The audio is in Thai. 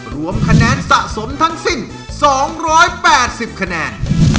รวมคะแนนสะสมทั้งสิ้น๒๘๐คะแนน